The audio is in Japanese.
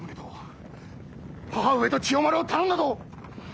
母上と千代丸を頼んだぞ。